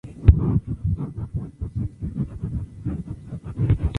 Actualmente es el entrenador del club Libertad de Paraguay.